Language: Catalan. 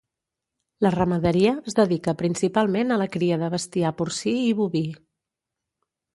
La ramaderia es dedica principalment a la cria de bestiar porcí i boví.